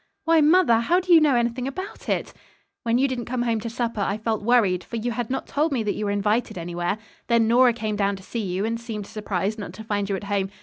"Why, mother, how did you know anything about it?" "When you didn't come home to supper I felt worried, for you had not told me that you were invited anywhere. Then Nora came down to see you, and seemed surprised not to find you at home.